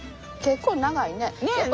結構長いね。ね。